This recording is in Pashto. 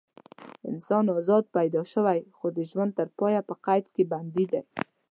انسان ازاد پیدا شوی خو د ژوند تر پایه په قید کې بندي دی.